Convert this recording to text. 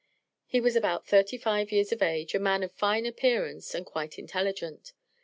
He was about thirty five years of age, a man of fine appearance, and quite intelligent.